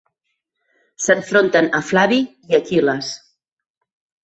S'enfronten a Flavi i Aquil·les.